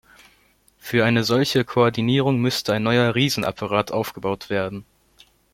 Für eine solche Koordinierung müsste ein neuer Riesenapparat aufgebaut werden.